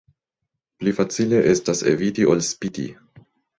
Pli facile estas eviti ol spiti.